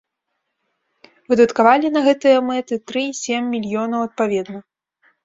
Выдаткавалі на гэтыя мэты тры і сем мільёнаў адпаведна.